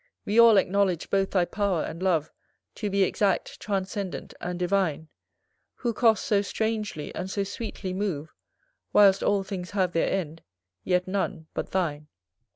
We all acknowledge both thy power and love To be exact, transcendant, and divine; Who cost so strangely and so sweetly move, Whilst all things have their end, yet none but thine.